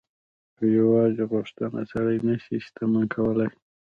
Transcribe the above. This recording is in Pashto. خو يوازې غوښتنه سړی نه شي شتمن کولای.